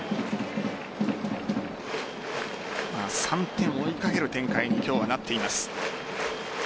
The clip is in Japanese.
３点を追いかける展開に今日はなっています。